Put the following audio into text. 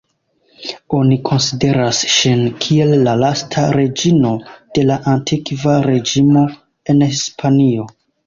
Oni konsideras ŝin kiel la lasta reĝino de la Antikva Reĝimo en Hispanio.